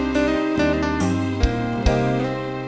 กลับสู่สตรธรรม